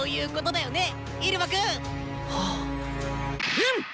うん！